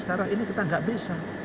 sekarang ini kita nggak bisa